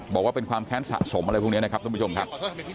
บอกว่าเป็นความแค้นสะสมอะไรพวกนี้นะครับท่านผู้ชมครับ